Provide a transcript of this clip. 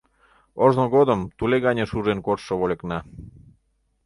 Ожно годым туле гане шужен коштшо вольыкна.